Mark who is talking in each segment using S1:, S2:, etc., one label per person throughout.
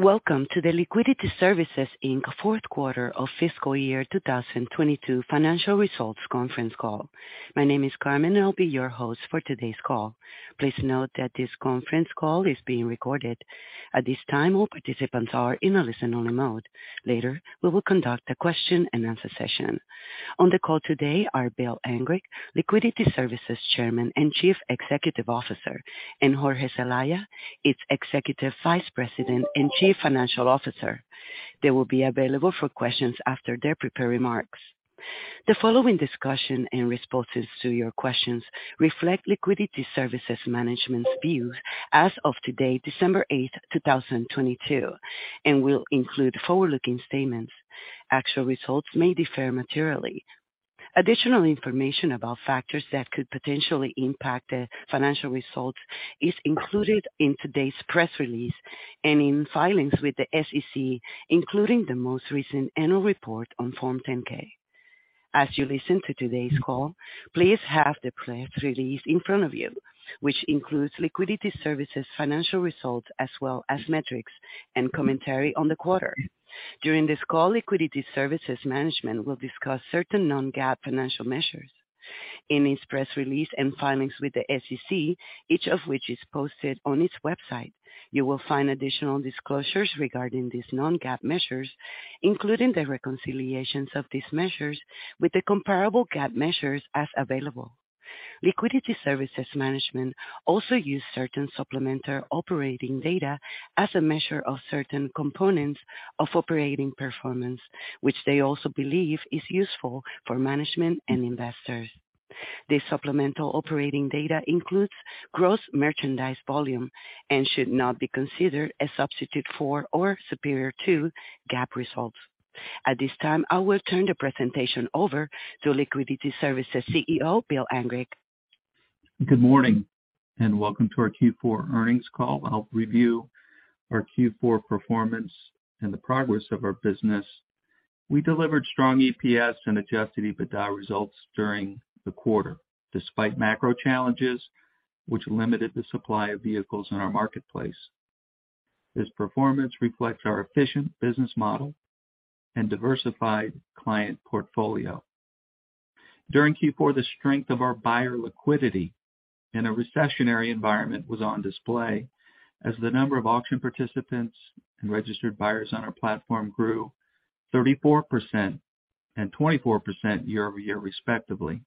S1: Welcome to the Liquidity Services, Inc. fourth quarter of fiscal year 2022 financial results conference call. My name is Carmen, I'll be your host for today's call. Please note that this conference call is being recorded. At this time, all participants are in a listen-only mode. Later, we will conduct a question-and-answer session. On the call today are Bill Angrick, Liquidity Services Chairman and Chief Executive Officer, and Jorge Celaya, its Executive Vice President and Chief Financial Officer. They will be available for questions after their prepared remarks. The following discussion and responses to your questions reflect Liquidity Services management's views as of today, December 8, 2022, will include forward-looking statements. Actual results may differ materially.
S2: Additional information about factors that could potentially impact the financial results is included in today's press release and in filings with the SEC, including the most recent annual report on Form 10-K. As you listen to today's call, please have the press release in front of you, which includes Liquidity Services financial results, as well as metrics and commentary on the quarter. During this call, Liquidity Services management will discuss certain non-GAAP financial measures. In its press release and filings with the SEC, each of which is posted on its website, you will find additional disclosures regarding these non-GAAP measures, including the reconciliations of these measures with the comparable GAAP measures as available. Liquidity Services management also use certain supplementary operating data as a measure of certain components of operating performance, which they also believe is useful for management and investors. This supplemental operating data includes Gross Merchandise Volume and should not be considered a substitute for or superior to GAAP results. At this time, I will turn the presentation over to Liquidity Services CEO, Bill Angrick.
S3: Good morning and welcome to our Q4 earnings call. I'll review our Q4 performance and the progress of our business. We delivered strong EPS and adjusted EBITDA results during the quarter, despite macro challenges which limited the supply of vehicles in our marketplace. This performance reflects our efficient business model and diversified client portfolio. During Q4, the strength of our buyer liquidity in a recessionary environment was on display as the number of auction participants and registered buyers on our platform grew 34% and 24% year-over-year, respectively.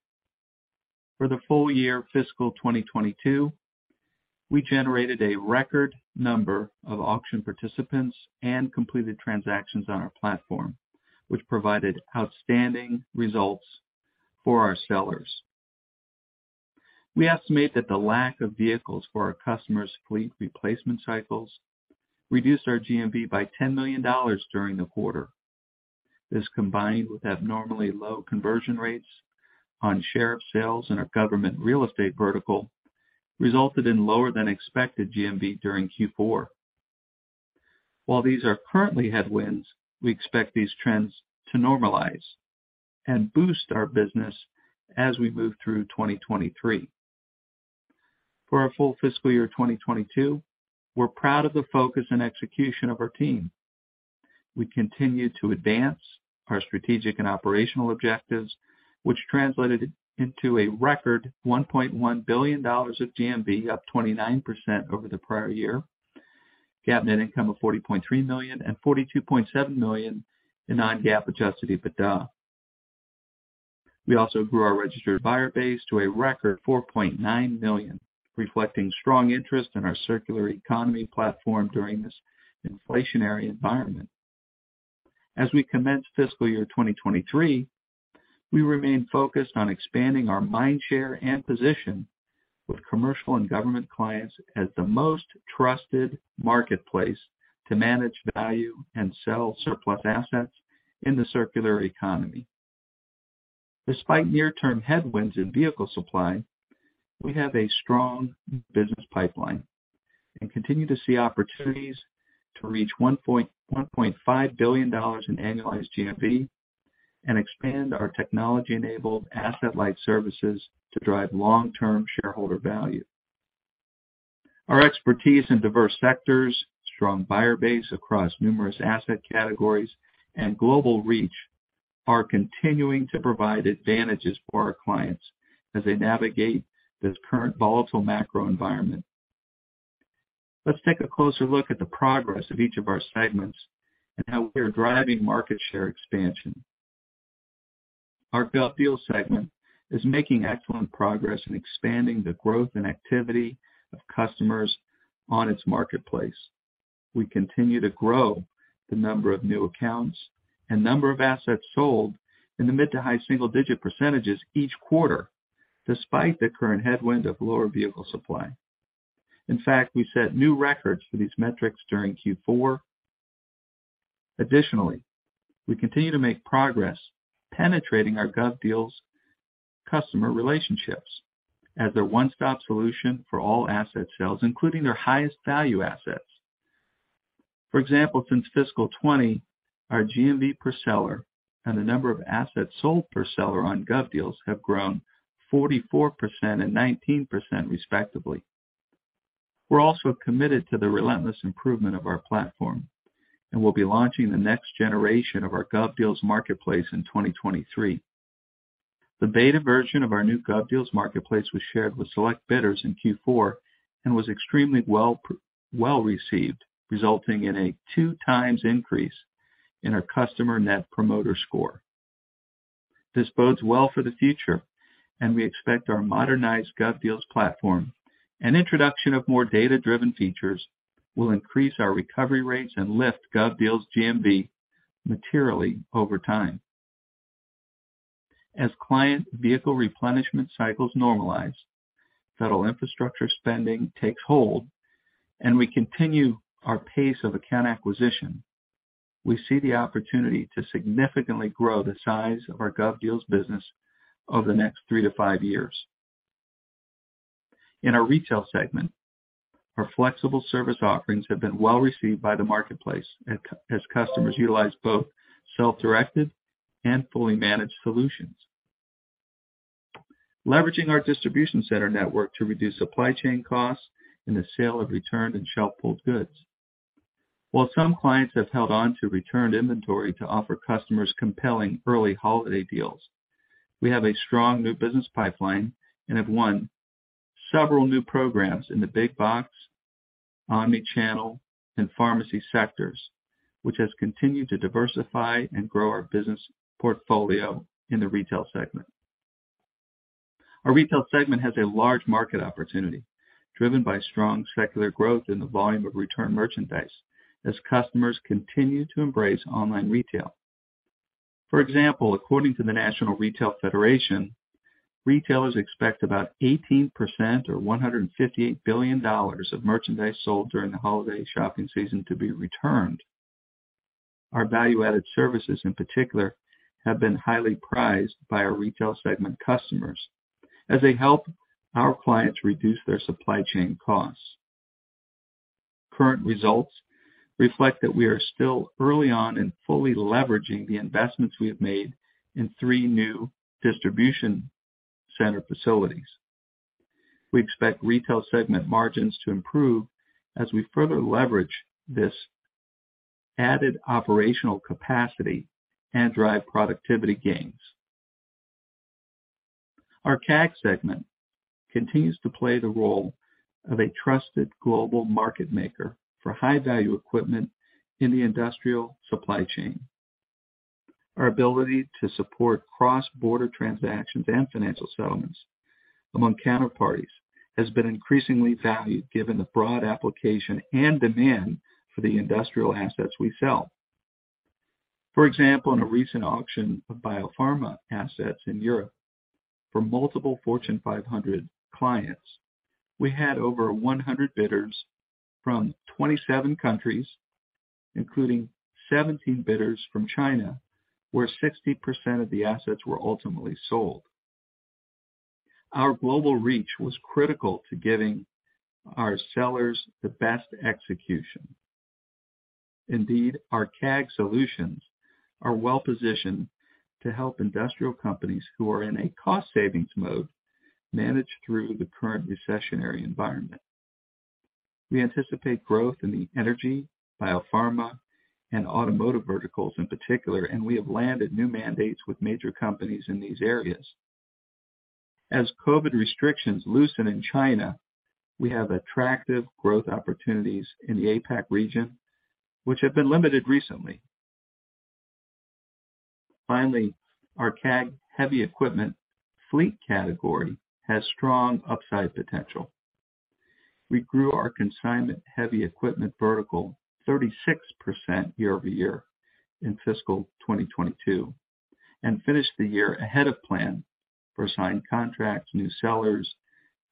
S3: For the full year fiscal 2022, we generated a record number of auction participants and completed transactions on our platform, which provided outstanding results for our sellers. We estimate that the lack of vehicles for our customers' fleet replacement cycles reduced our GMV by $10 million during the quarter. This, combined with abnormally low conversion rates on Sheriff Sales in our government real estate vertical, resulted in lower than expected GMV during Q4. While these are currently headwinds, we expect these trends to normalize and boost our business as we move through 2023. For our full fiscal year 2022, we're proud of the focus and execution of our team. We continue to advance our strategic and operational objectives, which translated into a record $1.1 billion of GMV, up 29% over the prior year, net income of $43 million and $42.7 million in non-GAAP adjusted EBITDA. We also grew our registered buyer base to a record 4.9 million, reflecting strong interest in our circular economy platform during this inflationary environment. As we commence fiscal year 2023, we remain focused on expanding our mindshare and position with commercial and government clients as the most trusted marketplace to manage value and sell surplus assets in the circular economy. Despite near-term headwinds in vehicle supply, we have a strong business pipeline and continue to see opportunities to reach $1.5 billion in annualized GMV and expand our technology-enabled asset-light services to drive long-term shareholder value. Our expertise in diverse sectors, strong buyer base across numerous asset categories, and global reach are continuing to provide advantages for our clients as they navigate this current volatile macro environment. Let's take a closer look at the progress of each of our segments and how we are driving market share expansion. Our GovDeals segment is making excellent progress in expanding the growth and activity of customers on its marketplace. We continue to grow the number of new accounts and number of assets sold in the mid to high single-digit % each quarter, despite the current headwind of lower vehicle supply. We set new records for these metrics during Q4. We continue to make progress penetrating our GovDeals customer relationships as their one-stop solution for all asset sales, including their highest value assets. Since fiscal 2020 our GMV per seller and the number of assets sold per seller on GovDeals have grown 44% and 19% respectively. We're also committed to the relentless improvement of our platform, and we'll be launching the next generation of our GovDeals marketplace in 2023. The beta version of our new GovDeals marketplace was shared with select bidders in Q4 and was extremely well received, resulting in a two times increase in our customer net promoter score. This bodes well for the future. We expect our modernized GovDeals platform and introduction of more data-driven features will increase our recovery rates and lift GovDeals GMV materially over time. As client vehicle replenishment cycles normalize, federal infrastructure spending takes hold, and we continue our pace of account acquisition, we see the opportunity to significantly grow the size of our GovDeals business over the next 3 to 5 years. In our Retail segment, our flexible service offerings have been well received by the marketplace as customers utilize both self-directed and fully managed solutions. Leveraging our distribution center network to reduce supply chain costs and the sale of returned and shelf-pulled goods. While some clients have held on to returned inventory to offer customers compelling early holiday deals, we have a strong new business pipeline and have won several new programs in the big box, omni-channel, and pharmacy sectors, which has continued to diversify and grow our business portfolio in the Retail segment. Our Retail segment has a large market opportunity driven by strong secular growth in the volume of returned merchandise as customers continue to embrace online retail. For example, according to the National Retail Federation, retailers expect about 18% or $158 billion of merchandise sold during the holiday shopping season to be returned. Our value-added services, in particular, have been highly prized by our Retail segment customers as they help our clients reduce their supply chain costs. Current results reflect that we are still early on in fully leveraging the investments we have made in three new distribution center facilities. We expect Retail segment margins to improve as we further leverage this added operational capacity and drive productivity gains. Our CAG segment continues to play the role of a trusted global market maker for high-value equipment in the industrial supply chain. Our ability to support cross-border transactions and financial settlements among counterparties has been increasingly valued given the broad application and demand for the industrial assets we sell. For example, in a recent auction of biopharma assets in Europe for multiple Fortune 500 clients, we had over 100 bidders from 27 countries, including 17 bidders from China, where 60% of the assets were ultimately sold. Our global reach was critical to getting our sellers the best execution. Indeed, our CAG solutions are well-positioned to help industrial companies who are in a cost savings mode manage through the current recessionary environment. We anticipate growth in the energy, biopharma, and automotive verticals in particular, and we have landed new mandates with major companies in these areas. As COVID restrictions loosen in China, we have attractive growth opportunities in the APAC region, which have been limited recently. Finally, our CAG heavy equipment fleet category has strong upside potential. We grew our consignment heavy equipment vertical 36% year-over-year in fiscal 2022 and finished the year ahead of plan for signed contracts, new sellers,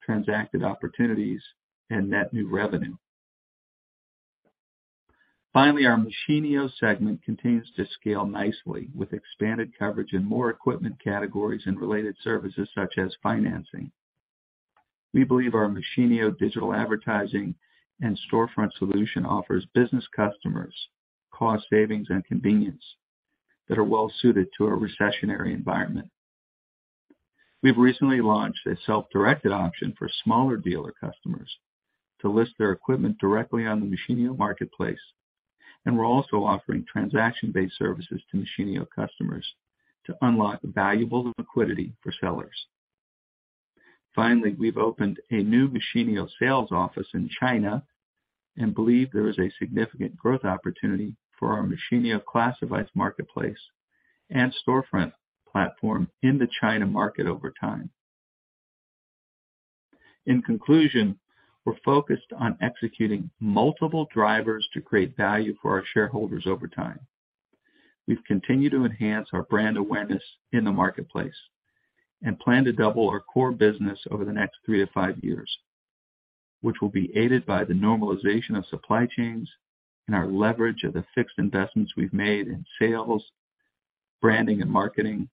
S3: transacted opportunities, and net new revenue. Finally, our Machinio segment continues to scale nicely with expanded coverage and more equipment categories and related services such as financing. We believe our Machinio digital advertising and storefront solution offers business customers cost savings and convenience that are well suited to a recessionary environment. We've recently launched a self-directed option for smaller dealer customers to list their equipment directly on the Machinio marketplace, and we're also offering transaction-based services to Machinio customers to unlock valuable liquidity for sellers. We've opened a new Machinio sales office in China and believe there is a significant growth opportunity for our Machinio classifieds marketplace and storefront platform in the China market over time. In conclusion, we're focused on executing multiple drivers to create value for our shareholders over time. We've continued to enhance our brand awareness in the marketplace and plan to double our core business over the next 3 to 5 years, which will be aided by the normalization of supply chains and our leverage of the fixed investments we've made in sales, branding and marketing,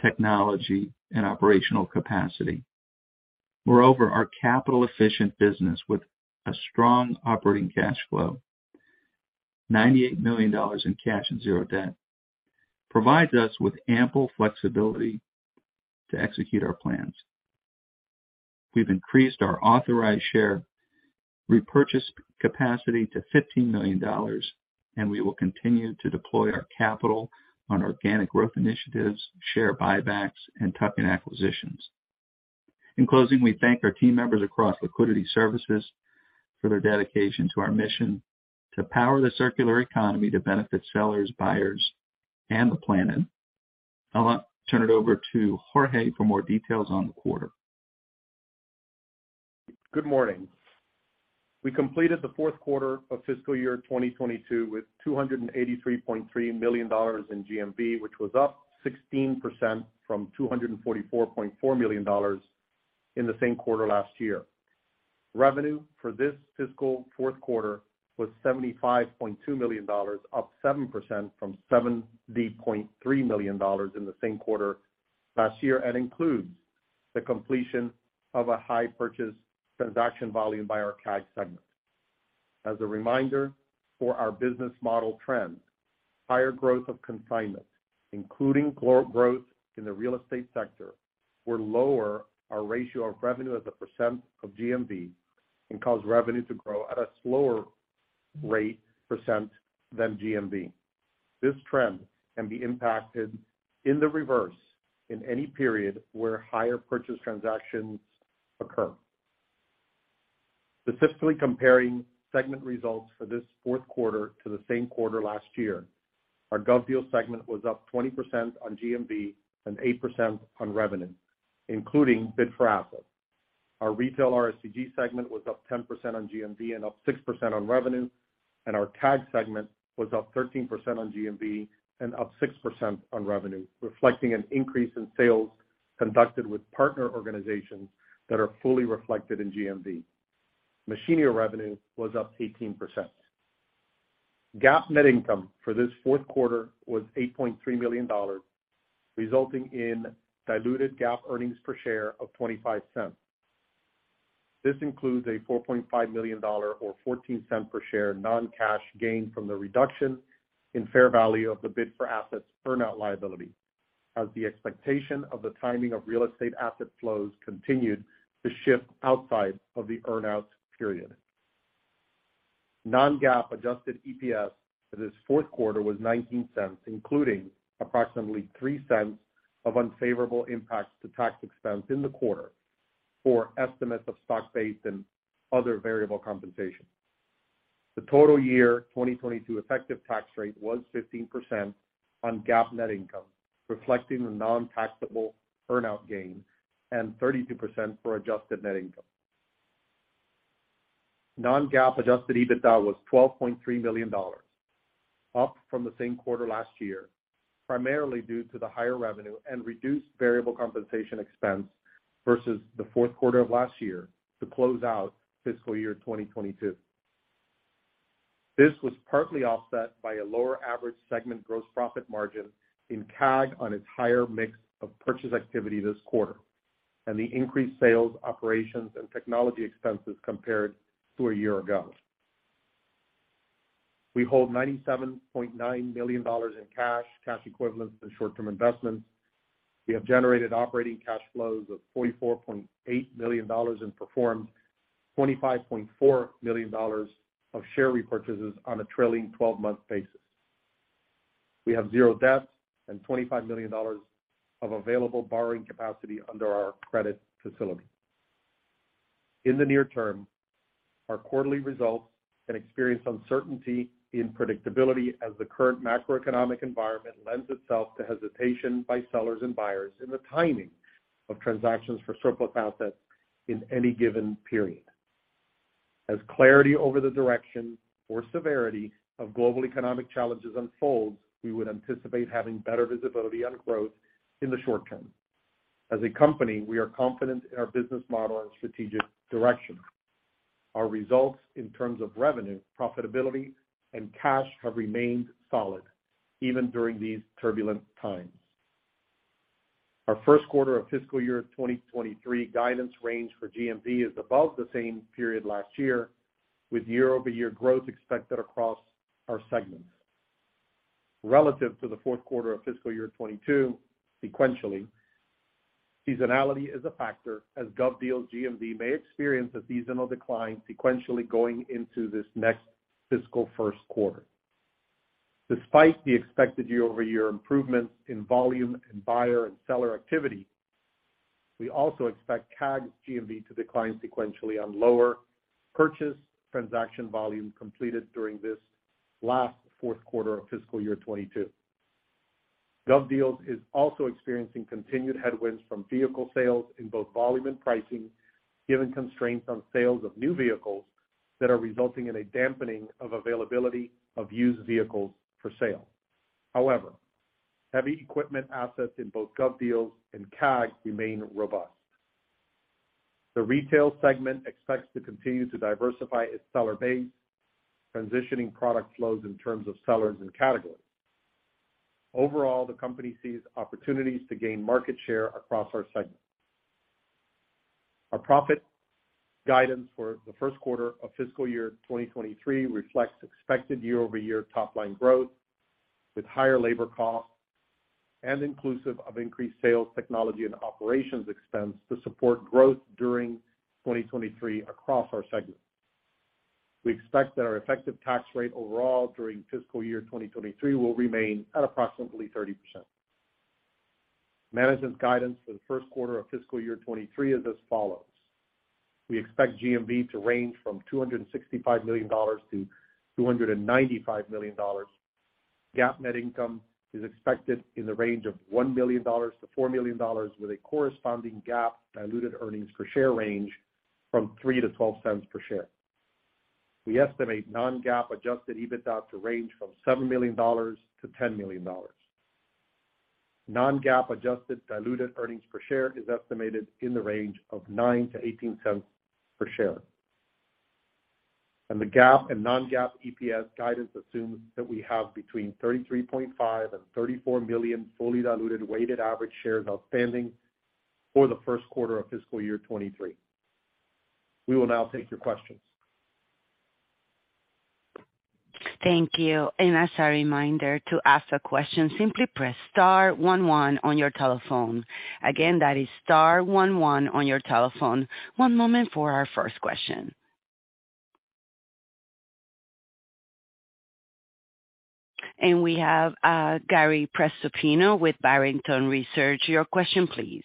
S3: technology, and operational capacity. Moreover, our capital efficient business with a strong operating cash flow, $98 million in cash and 0 debt, provides us with ample flexibility to execute our plans. We've increased our authorized share repurchase capacity to $15 million, and we will continue to deploy our capital on organic growth initiatives, share buybacks and tuck-in acquisitions. In closing, we thank our team members across Liquidity Services for their dedication to our mission to power the circular economy to benefit sellers, buyers and the planet. I'll now turn it over to Jorge for more details on the quarter.
S4: Good morning. We completed the fourth quarter of fiscal year 2022 with $283.3 million in GMV, which was up 16% from $244.4 million in the same quarter last year. Revenue for this fiscal fourth quarter was $75.2 million, up 7% from $70.3 million in the same quarter last year, and includes the completion of a high purchase transaction volume by our CAG segment. As a reminder for our business model trend, higher growth of consignments, including growth in the real estate sector, will lower our ratio of revenue as a % of GMV and cause revenue to grow at a slower rate % than GMV. This trend can be impacted in the reverse in any period where higher purchase transactions occur. Specifically comparing segment results for this fourth quarter to the same quarter last year, our GovDeals segment was up 20% on GMV and 8% on revenue, including Bid4Assets. Our retail RSCG segment was up 10% on GMV and up 6% on revenue. Our CAG segment was up 13% on GMV and up 6% on revenue, reflecting an increase in sales conducted with partner organizations that are fully reflected in GMV. Machinio revenue was up 18%. GAAP net income for this fourth quarter was $8.3 million, resulting in diluted GAAP earnings per share of $0.25. This includes a $4.5 million or $0.14 per share non-cash gain from the reduction in fair value of the Bid4Assets earn out liability as the expectation of the timing of real estate asset flows continued to shift outside of the earn out period. Non-GAAP adjusted EPS for this fourth quarter was $0.19, including approximately $0.03 of unfavorable impacts to tax expense in the quarter for estimates of stock-based and other variable compensation. The total year 2022 effective tax rate was 15% on GAAP net income, reflecting the non-taxable earn out gain and 32% for adjusted net income. Non-GAAP adjusted EBITDA was $12.3 million, up from the same quarter last year, primarily due to the higher revenue and reduced variable compensation expense versus the fourth quarter of last year to close out fiscal year 2022. This was partly offset by a lower average segment gross profit margin in CAG on its higher mix of purchase activity this quarter and the increased sales operations and technology expenses compared to a year ago. We hold $97.9 million in cash equivalents and short-term investments. We have generated operating cash flows of $44.8 million and performed $25.4 million of share repurchases on a trailing 12-month basis. We have zero debt and $25 million of available borrowing capacity under our credit facility. In the near term, our quarterly results can experience uncertainty in predictability as the current macroeconomic environment lends itself to hesitation by sellers and buyers in the timing of transactions for surplus assets in any given period. As clarity over the direction or severity of global economic challenges unfolds, we would anticipate having better visibility on growth in the short term. As a company, we are confident in our business model and strategic direction. Our results in terms of revenue, profitability and cash have remained solid even during these turbulent times. Our first quarter of fiscal year 2023 guidance range for GMV is above the same period last year, with year-over-year growth expected across our segments. Relative to the fourth quarter of fiscal year 2022, sequentially, seasonality is a factor as GovDeals GMV may experience a seasonal decline sequentially going into this next fiscal first quarter. Despite the expected year-over-year improvements in volume and buyer and seller activity, we also expect CAG GMV to decline sequentially on lower purchase transaction volume completed during this last fourth quarter of fiscal year 2022. GovDeals is also experiencing continued headwinds from vehicle sales in both volume and pricing, given constraints on sales of new vehicles that are resulting in a dampening of availability of used vehicles for sale. However, heavy equipment assets in both GovDeals and CAG remain robust. The retail segment expects to continue to diversify its seller base, transitioning product flows in terms of sellers and categories. Overall, the company sees opportunities to gain market share across our segments. Our profit guidance for the first quarter of fiscal year 2023 reflects expected year-over-year top line growth with higher labor costs and inclusive of increased sales technology and operations expense to support growth during 2023 across our segments. We expect that our effective tax rate overall during fiscal year 2023 will remain at approximately 30%. Management's guidance for the first quarter of fiscal year 2023 is as follows: We expect GMV to range from $265 million-$295 million. GAAP net income is expected in the range of $1 million-$4 million with a corresponding GAAP diluted earnings per share range from $0.03-$0.12 per share. We estimate non-GAAP adjusted EBITDA to range from $7 million-$10 million. Non-GAAP adjusted diluted earnings per share is estimated in the range of $0.09-$0.18 per share. The GAAP and non-GAAP EPS guidance assumes that we have between 33.5 million and 34 million fully diluted weighted average shares outstanding for the first quarter of fiscal year 2023. We will now take your questions.
S1: Thank you. As a reminder to ask a question, simply press star one one on your telephone. Again, that is star one one on your telephone. One moment for our first question. We have, Gary Prestopino with Barrington Research. Your question, please.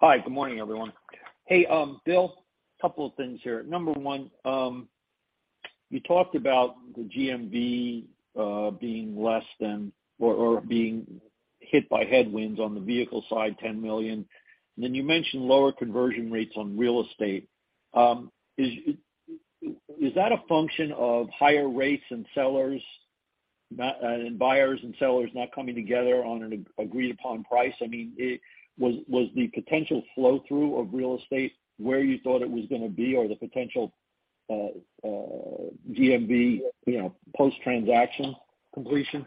S5: Hi, good morning, everyone. Hey, Bill, a couple of things here. Number one, you talked about the GMV being less than or being hit by headwinds on the vehicle side, $10 million. You mentioned lower conversion rates on real estate. Is that a function of higher rates and sellers and buyers and sellers not coming together on an agreed upon price? I mean, it was the potential flow through of real estate where you thought it was gonna be or the potential GMV, you know, post transaction completion?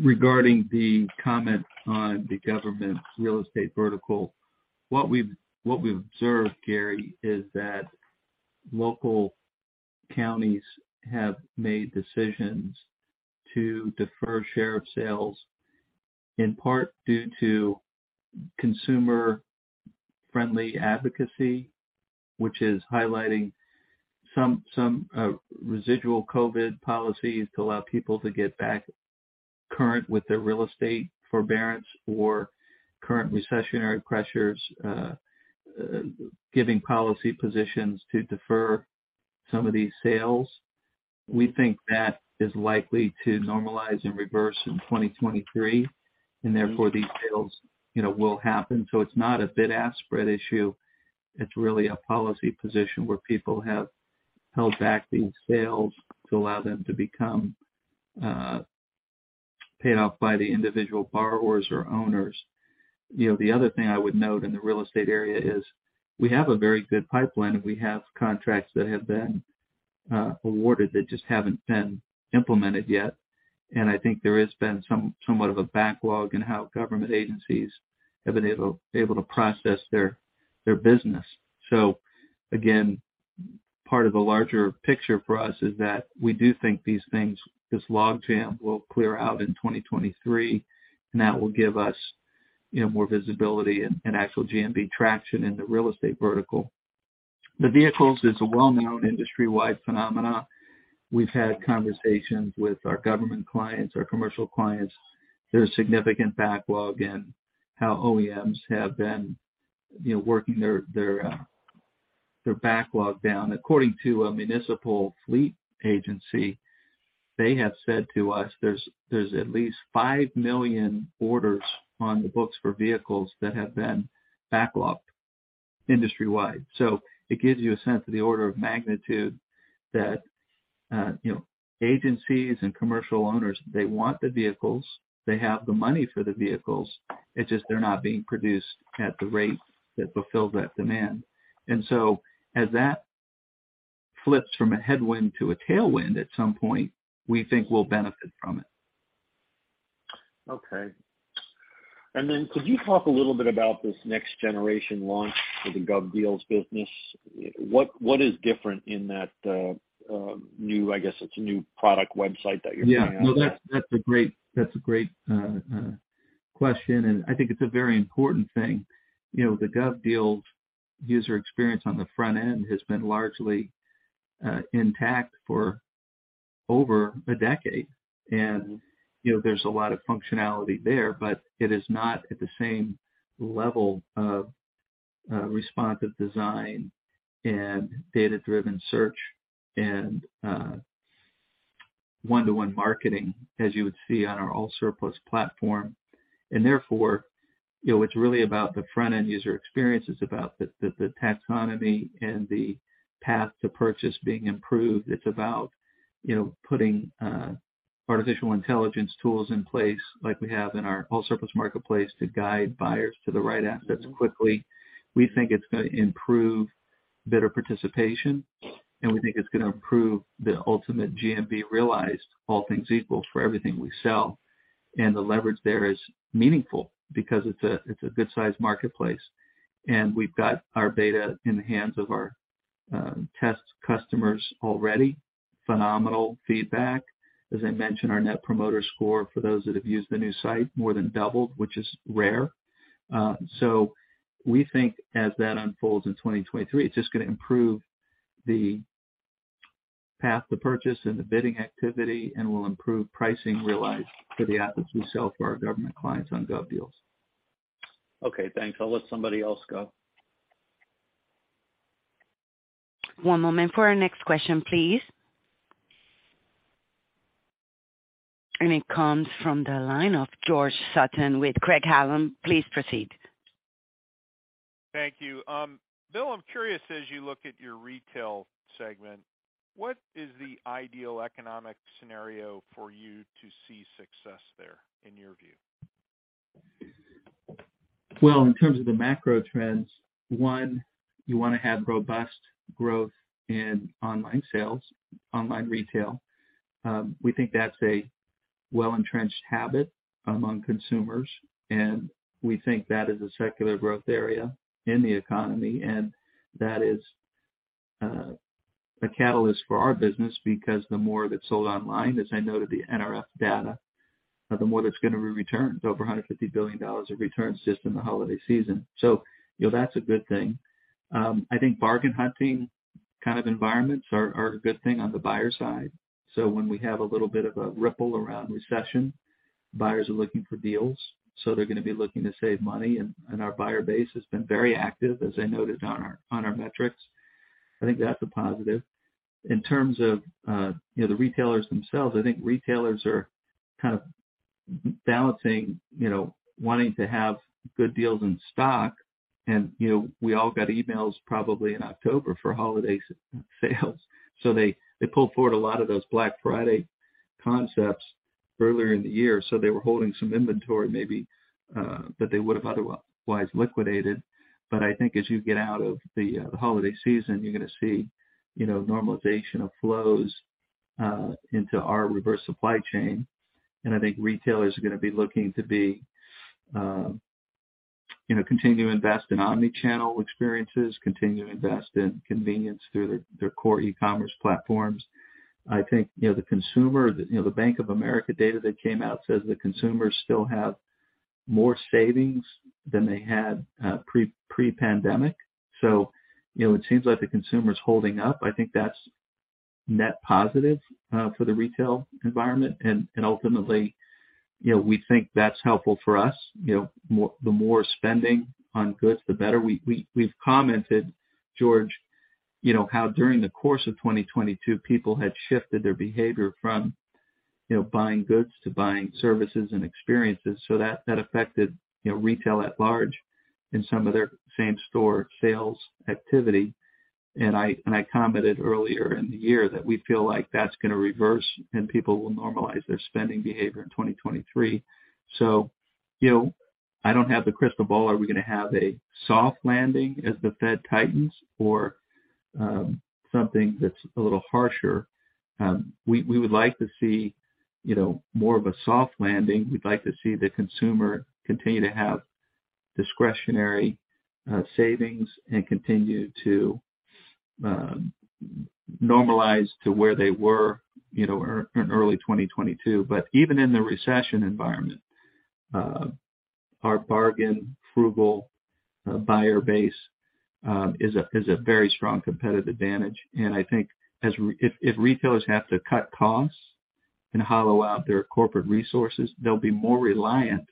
S3: Regarding the comment on the government real estate vertical, what we've observed, Gary, is that local counties have made decisions to defer Sheriff Sales, in part due to consumer-friendly advocacy, which is highlighting some residual COVID policies to allow people to get back current with their real estate forbearance or current recessionary pressures, giving policy positions to defer some of these sales. We think that is likely to normalize and reverse in 2023, and therefore these sales, you know, will happen. It's not a bid-ask spread issue. It's really a policy position where people have held back these sales to allow them to become paid off by the individual borrowers or owners. You know, the other thing I would note in the real estate area is we have a very good pipeline, and we have contracts that have been awarded that just haven't been implemented yet. I think there has been somewhat of a backlog in how government agencies have been able to process their business. Again, part of the larger picture for us is that we do think these things, this logjam will clear out in 2023, and that will give us, you know, more visibility and actual GMV traction in the real estate vertical. The vehicles is a well-known industry-wide phenomena. We've had conversations with our government clients, our commercial clients. There's significant backlog in how OEMs have been, you know, working their backlog down. According to a municipal fleet agency, they have said to us there's at least 5 million orders on the books for vehicles that have been backlogged industry-wide. It gives you a sense of the order of magnitude that, you know, agencies and commercial owners, they want the vehicles, they have the money for the vehicles, it's just they're not being produced at the rate that fulfills that demand. As that flips from a headwind to a tailwind, at some point, we think we'll benefit from it.
S5: Okay. Then could you talk a little bit about this next generation launch for the GovDeals business? What is different in that new, I guess, it's a new product website that you're putting out there?
S3: Yeah. No, that's a great question. I think it's a very important thing. You know, the GovDeals user experience on the front end has been largely intact for over a decade. You know, there's a lot of functionality there, but it is not at the same level of responsive design and data-driven search and one-to-one marketing as you would see on our AllSurplus platform. Therefore, you know, it's really about the front-end user experience. It's about the taxonomy and the path to purchase being improved. It's about, you know, putting Artificial intelligence tools in place, like we have in our AllSurplus marketplace to guide buyers to the right assets quickly. We think it's gonna improve better participation. We think it's gonna improve the ultimate GMV realized, all things equal, for everything we sell. The leverage there is meaningful because it's a, it's a good-sized marketplace. We've got our beta in the hands of our test customers already. Phenomenal feedback. As I mentioned, our Net Promoter Score for those that have used the new site more than doubled, which is rare. We think as that unfolds in 2023, it's just gonna improve the path to purchase and the bidding activity and will improve pricing realized for the assets we sell for our government clients on GovDeals.
S5: Okay, thanks. I'll let somebody else go.
S1: One moment for our next question, please. It comes from the line of George Sutton with Craig-Hallum. Please proceed.
S6: Thank you. Bill, I'm curious, as you look at your retail segment, what is the ideal economic scenario for you to see success there, in your view?
S3: In terms of the macro trends, one, you wanna have robust growth in online sales, online retail. We think that's a well-entrenched habit among consumers, and we think that is a secular growth area in the economy, and that is a catalyst for our business because the more that's sold online, as I noted the NRF data, the more that's gonna be returned. Over $150 billion of returns just in the holiday season. you know, that's a good thing. I think bargain hunting kind of environments are a good thing on the buyer side. When we have a little bit of a ripple around recession, buyers are looking for deals, so they're gonna be looking to save money, and our buyer base has been very active, as I noted on our metrics. I think that's a positive. In terms of, you know, the retailers themselves, I think retailers are kind of balancing, you know, wanting to have good deals in stock, and, you know, we all got emails probably in October for holiday sales. They pulled forward a lot of those Black Friday concepts earlier in the year, so they were holding some inventory maybe that they would have otherwise liquidated. I think as you get out of the holiday season, you're gonna see, you know, normalization of flows into our reverse supply chain. I think retailers are gonna be looking to be, you know, continue to invest in omni-channel experiences, continue to invest in convenience through their core e-commerce platforms. I think, you know, the consumer, you know, the Bank of America data that came out says that consumers still have more savings than they had, pre-pandemic. You know, it seems like the consumer is holding up. I think that's net positive for the retail environment. Ultimately, you know, we think that's helpful for us. You know, the more spending on goods, the better. We've commented, George, you know, how during the course of 2022, people had shifted their behavior from, you know, buying goods to buying services and experiences. That affected, you know, retail at large in some of their same store sales activity. I commented earlier in the year that we feel like that's gonna reverse and people will normalize their spending behavior in 2023. you know, I don't have the crystal ball. Are we gonna have a soft landing as the Fed tightens or something that's a little harsher? We would like to see, you know, more of a soft landing. We'd like to see the consumer continue to have discretionary savings and continue to normalize to where they were, you know, in early 2022. Even in the recession environment, our bargain frugal buyer base is a very strong competitive advantage. I think if retailers have to cut costs and hollow out their corporate resources, they'll be more reliant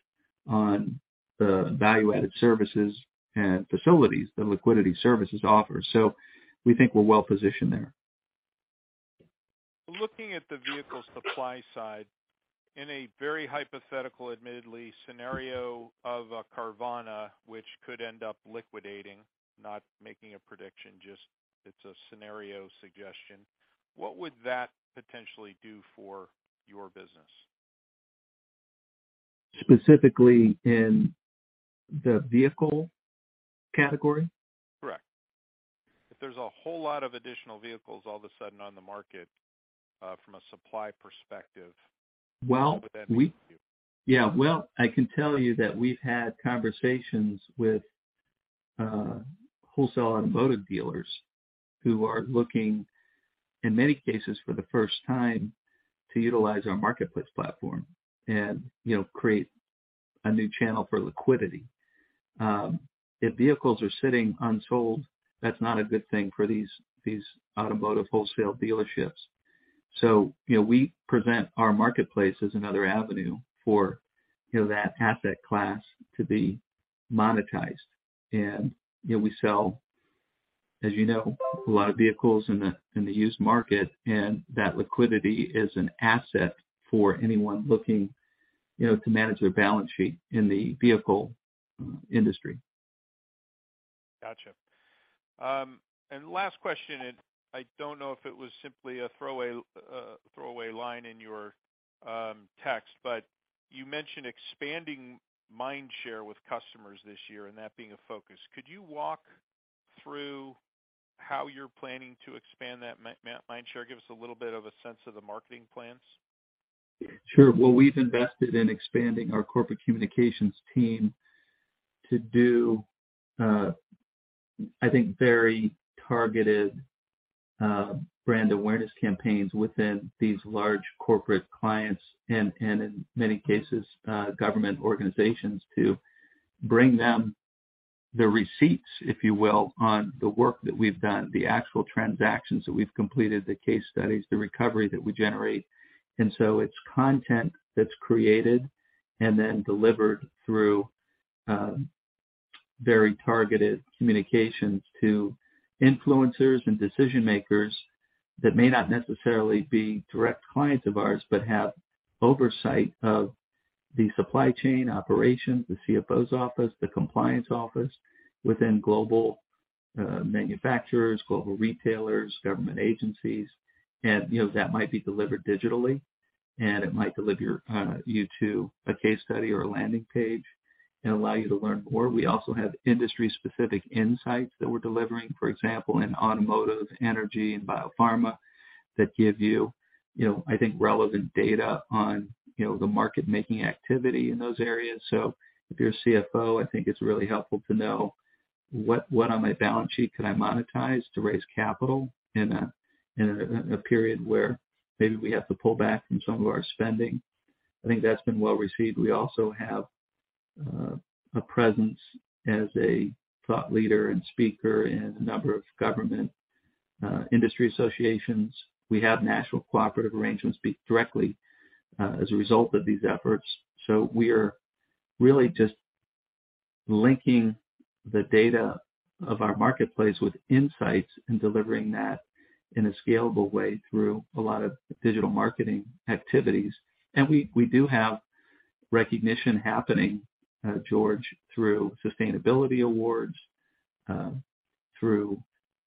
S3: on the value-added services and facilities that Liquidity Services offer. We think we're well positioned there.
S6: Looking at the vehicle supply side, in a very hypothetical, admittedly, scenario of a Carvana which could end up liquidating, not making a prediction, just it's a scenario suggestion, what would that potentially do for your business?
S3: Specifically in the vehicle category?
S6: Correct. If there's a whole lot of additional vehicles all of a sudden on the market, from a supply perspective.
S3: Well.
S6: What would that mean for you?
S3: Yeah. Well, I can tell you that we've had conversations with wholesale automotive dealers who are looking, in many cases for the first time, to utilize our marketplace platform and, you know, create a new channel for liquidity. If vehicles are sitting unsold, that's not a good thing for these automotive wholesale dealerships. You know, we present our marketplace as another avenue for, you know, that asset class to be monetized. You know, we sell, as you know, a lot of vehicles in the used market, and that liquidity is an asset for anyone looking, you know, to manage their balance sheet in the vehicle industry.
S6: Gotcha. Last question, I don't know if it was simply a throwaway line in your text. You mentioned expanding mind share with customers this year and that being a focus. Could you walk through how you're planning to expand that mind share? Give us a little bit of a sense of the marketing plans.
S3: Sure. Well, we've invested in expanding our corporate communications team to do, I think, very targeted brand awareness campaigns within these large corporate clients and in many cases, government organizations to bring them the receipts, if you will, on the work that we've done, the actual transactions that we've completed, the case studies, the recovery that we generate. So it's content that's created and then delivered through very targeted communications to influencers and decision makers that may not necessarily be direct clients of ours, but have oversight of the supply chain operations, the CFO's office, the compliance office within global manufacturers, global retailers, government agencies. You know, that might be delivered digitally, and it might deliver you to a case study or a landing page and allow you to learn more. We also have industry-specific insights that we're delivering, for example, in automotive, energy and biopharma, that give you know, I think relevant data on, you know, the market-making activity in those areas. If you're a CFO, I think it's really helpful to know what on my balance sheet could I monetize to raise capital in a period where maybe we have to pull back from some of our spending. I think that's been well received. We also have a presence as a thought leader and speaker in a number of government, industry associations. We have natural cooperative arrangements speak directly, as a result of these efforts. We are really just linking the data of our marketplace with insights and delivering that in a scalable way through a lot of digital marketing activities. We do have recognition happening, George, through sustainability awards, through,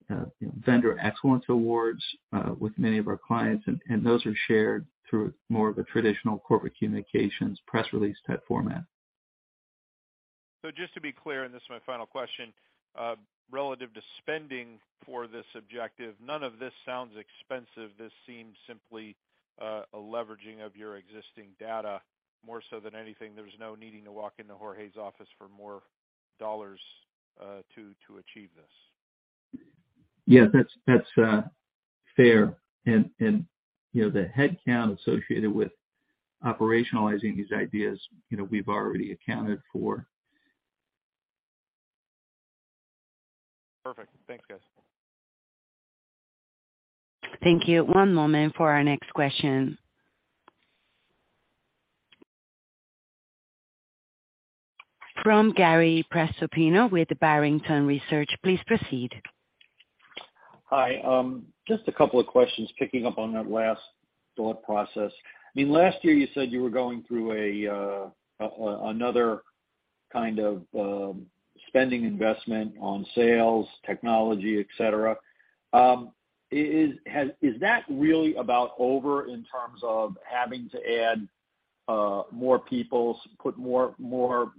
S3: you know, vendor excellence awards, with many of our clients. Those are shared through more of a traditional corporate communications press release type format.
S6: Just to be clear, and this is my final question. Relative to spending for this objective, none of this sounds expensive. This seems simply a leveraging of your existing data more so than anything. There's no needing to walk into Jorge's office for more dollars to achieve this.
S3: Yeah, that's fair. You know, the headcount associated with operationalizing these ideas, you know, we've already accounted for.
S6: Perfect. Thanks, guys.
S1: Thank you. One moment for our next question. From Gary Prestopino with Barrington Research. Please proceed.
S5: Hi. Just a couple of questions picking up on that last thought process. I mean, last year you said you were going through a, another kind of, spending investment on sales, technology, et cetera. Is that really about over in terms of having to add, more people, put more, more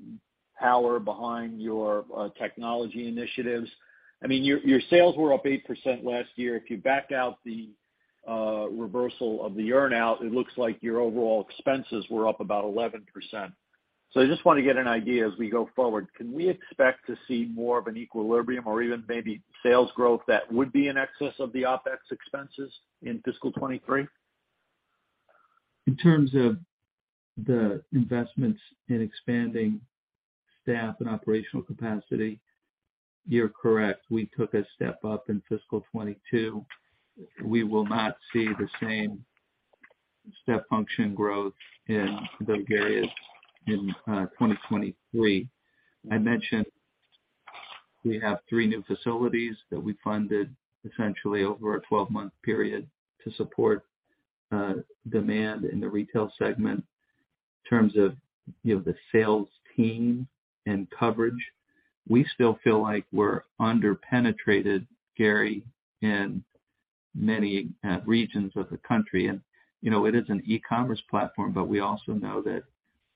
S5: power behind your, technology initiatives? I mean, your sales were up 8% last year. If you backed out the, reversal of the earn out, it looks like your overall expenses were up about 11%. I just wanna get an idea as we go forward, can we expect to see more of an equilibrium or even maybe sales growth that would be in excess of the OpEx expenses in fiscal 2023?
S3: In terms of the investments in expanding staff and operational capacity, you're correct. We took a step up in fiscal 2022. We will not see the same step function growth in those areas in 2023. I mentioned we have three new facilities that we funded essentially over a 12-month period to support demand in the retail segment. In terms of, you know, the sales team and coverage, we still feel like we're under-penetrated, Gary, in many regions of the country. You know, it is an e-commerce platform, but we also know that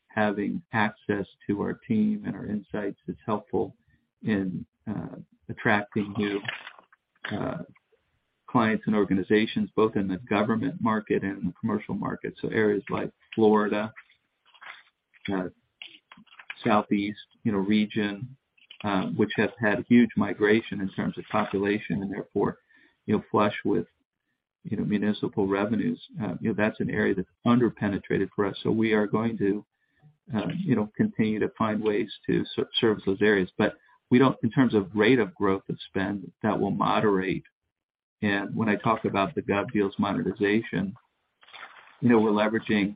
S3: having access to our team and our insights is helpful in attracting new clients and organizations both in the government market and the commercial market. Areas like Florida, Southeast, you know, region, which has had huge migration in terms of population and therefore, you know, flush with, you know, municipal revenues. You know, that's an area that's under-penetrated for us, so we are going to, you know, continue to find ways to service those areas. We don't in terms of rate of growth and spend, that will moderate. When I talk about the GovDeals monetization, you know, we're leveraging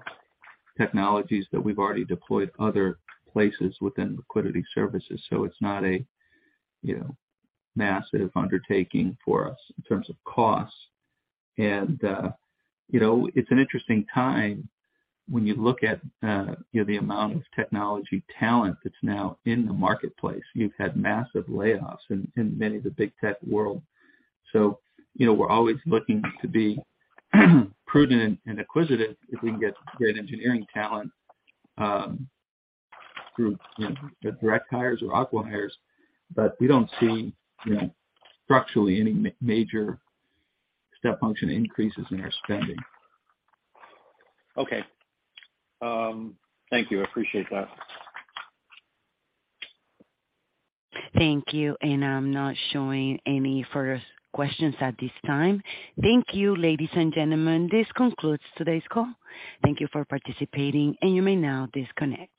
S3: technologies that we've already deployed other places within Liquidity Services, so it's not a, you know, massive undertaking for us in terms of costs. It's an interesting time when you look at, you know, the amount of technology talent that's now in the marketplace. You've had massive layoffs in many of the big tech world. You know, we're always looking to be prudent and acquisitive if we can get great engineering talent through direct hires or acqui-hires. We don't see, you know, structurally any major step function increases in our spending.
S5: Okay. Thank you. I appreciate that.
S1: Thank you. I'm not showing any further questions at this time. Thank you, ladies and gentlemen. This concludes today's call. Thank you for participating, and you may now disconnect.